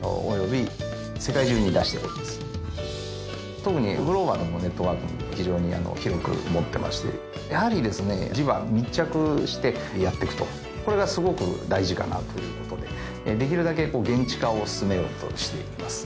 特にグローバルのネットワークも非常に広く持ってましてやはりですね地場密着してやっていくとこれがすごく大事かなということでできるだけ現地化を進めようとしています